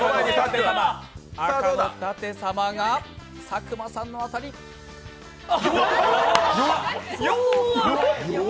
赤の舘様が佐久間さんのよわっ！